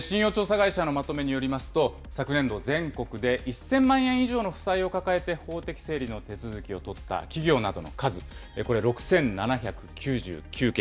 会社のまとめによりますと、昨年度、全国で１０００万円以上の負債を抱えて法的整理の手続きをとった企業などの数、これ、６７９９件。